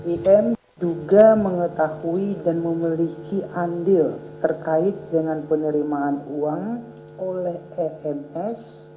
im juga mengetahui dan memiliki andil terkait dengan penerimaan uang oleh ems